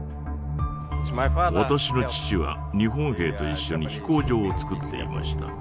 私の父は日本兵と一緒に飛行場をつくっていました。